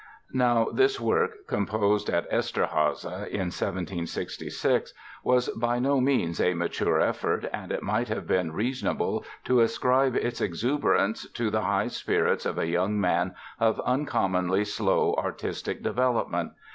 Now, this work, composed at Eszterháza in 1766, was by no means a mature effort and it might have been reasonable to ascribe its exuberance to the high spirits of a young man of uncommonly slow artistic development.